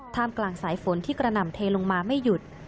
กลางสายฝนที่กระหน่ำเทลงมาไม่หยุด